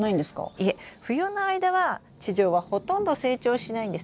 いえ冬の間は地上はほとんど成長しないんです。